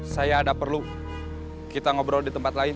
saya ada perlu kita ngobrol di tempat lain